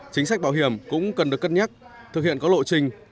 chính sách bảo hiểm cũng cần được cân nhắc thực hiện có lộ trình